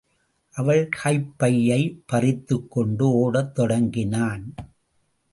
அவள் கைப் பையை பறித்துக் கொண்டு ஓடத் தொடங்கினான்.